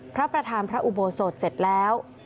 พระประธานพระอุโบสถเสร็จแล้ว